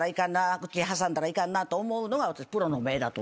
口挟んだらいかんなと思うのがプロの目だと。